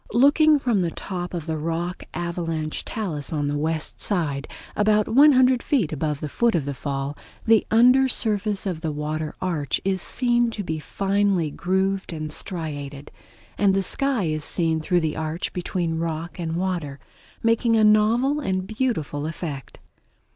Looking from the top of the rock avalanche talus on the west side, about one hundred feet above the foot of the fall, the under surface of the water arch is seen to be finely grooved and striated; and the sky is seen through the arch between rock and water, making a novel and beautiful effect.